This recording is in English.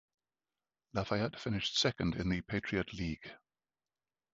Lafayette finished second in the Patriot League.